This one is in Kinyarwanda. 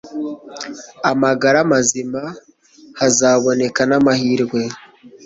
amagara mazima hazaboneka namahirwe